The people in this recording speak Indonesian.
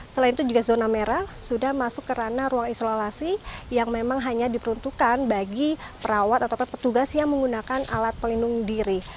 selain itu juga zona merah sudah masuk ke ranah ruang isolasi yang memang hanya diperuntukkan bagi perawat atau petugas yang menggunakan alat pelindung diri